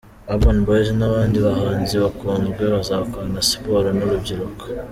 Urban Boyz n’abandi bahanzi bakunzwe bazakorana siporo n’urubyiruko.